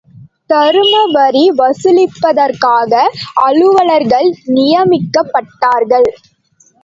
தருமவரி வசூலிப்பதற்காக, அலுவலர்கள் நியமிக்கப்பட்டார்கள்.